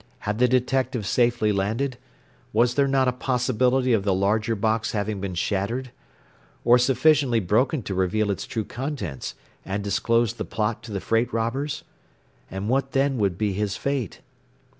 Had the detective safely landed? Was there not a possibility of the larger box having been shattered? Or sufficiently broken to reveal its true contents, and disclose the plot to the freight robbers? And what then would be his fate?